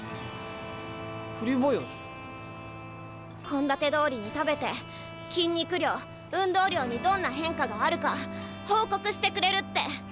献立どおりに食べて筋肉量運動量にどんな変化があるか報告してくれるって。